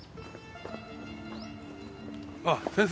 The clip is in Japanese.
あっ先生。